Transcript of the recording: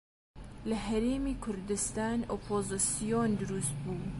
لە هەرێمی کوردستان ئۆپۆزسیۆن دروست بوو